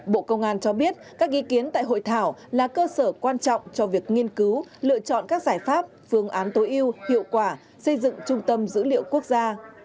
bộ công an cho biết các ý kiến tại hội thảo là cơ sở quan trọng cho việc nghiên cứu lựa chọn các giải pháp phương án tối yêu hiệu quả xây dựng trung tâm dữ liệu quốc gia